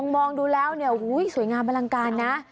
มองดูแล้วสวยงามบลังการนะ